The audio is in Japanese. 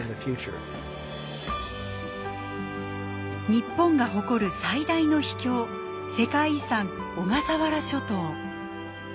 日本が誇る最大の秘境世界遺産・小笠原諸島。